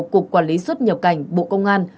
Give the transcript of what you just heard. cục quản lý xuất nhập cảnh bộ công an